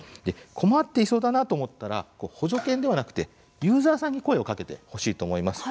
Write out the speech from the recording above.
困っていそうだなと思ったら補助犬ではなくてユーザーさんに声をかけてほしいと思います。